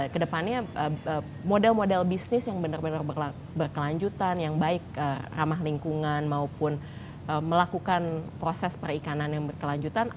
kedepannya model model bisnis yang benar benar berkelanjutan yang baik ramah lingkungan maupun melakukan proses perikanan yang berkelanjutan